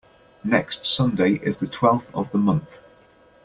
Next Sunday is the twelfth of the month.